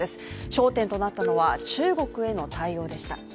焦点となったのは中国への対応でした。